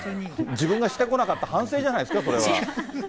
自分がしてこなかった反省じゃないですか、それは。